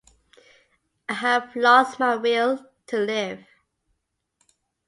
I have lost my will to live.